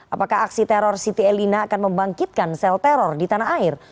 apakah aksi teror siti elina akan membangkitkan sel teror di tanah air